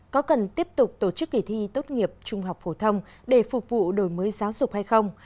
có cần tiếp tục tổ chức kỳ thi tốt nghiệp trung học phổ thông để phục vụ đổi mới giáo dục hay không